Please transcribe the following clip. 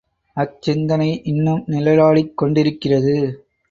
அச்சிந்தனை இன்னும் நிழலாடிக் கொண்டிருக்கிறது.